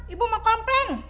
ibu mau komplain